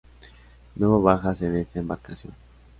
No hubo bajas en esta embarcación.